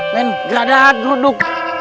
men nggak ada geruduk